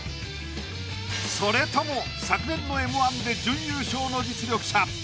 それとも昨年の「Ｍ−１」で準優勝の実力者